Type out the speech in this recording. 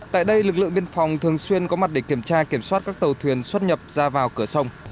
tại đây lực lượng biên phòng thường xuyên có mặt để kiểm tra kiểm soát các tàu thuyền xuất nhập ra vào cửa sông